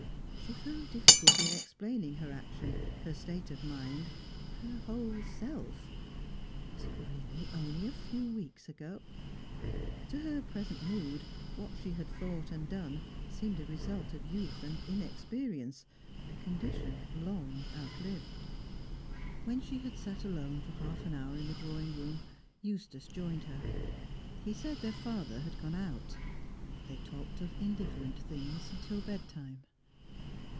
She found difficulty in explaining her action, her state of mind, her whole self. Was it really only a few weeks ago? To her present mood, what she had thought and done seemed a result of youth and inexperience, a condition long outlived. When she had sat alone for half an hour in the drawing room, Eustace joined her. He said their father had gone out. They talked of indifferent things till bedtime.